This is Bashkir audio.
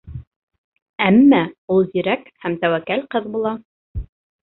Әммә ул зирәк һәм тәүәккәл ҡыҙ була.